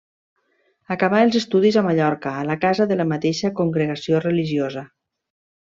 Acabà els estudis a Mallorca a la casa de la mateixa congregació religiosa.